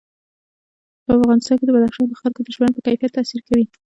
په افغانستان کې بدخشان د خلکو د ژوند په کیفیت تاثیر کوي.